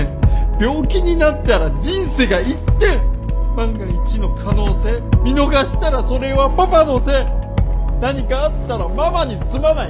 病気になったら人生が一転万が一の可能性見逃したらそれはパパのせい何かあったらママにすまない